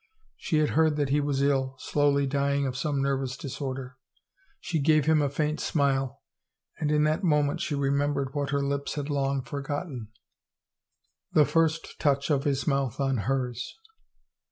She had heard that he was ill, slowly dying of some nervous dis order. She gave him a faint smile, and in that moment she remembered what her lips had long forgotten, the first touch of his mouth on hers.